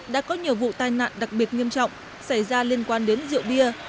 đã có nhiều vụ tai nạn đặc biệt nghiêm trọng xảy ra liên quan đến rượu bia